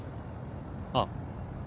あっ。